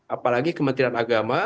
apalagi kementerian agama